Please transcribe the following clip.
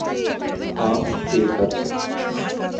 হ্যাঁ ঠিক আছে।